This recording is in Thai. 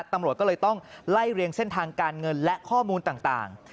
ตำรวจก็เลยต้องไล่เรียงเส้นทางการเงินและข้อมูลต่าง